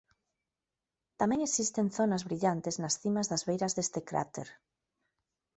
Tamén existen zonas brillantes nas cimas das beiras deste cráter.